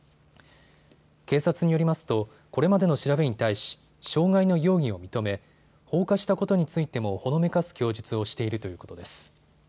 警察によりますとこれまでの調べに対し傷害の容疑を認め放火したことについてもほのめかす供述をしているということです。